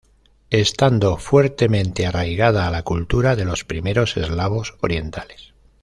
Estando fuertemente arraigada a la cultura de los primeros eslavos orientales.